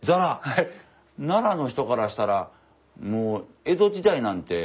奈良の人からしたらもう江戸時代なんて。